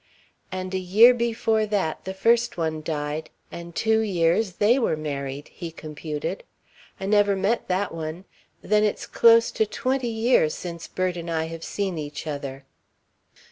"And a year before that the first one died and two years they were married," he computed. "I never met that one. Then it's close to twenty years since Bert and I have seen each other."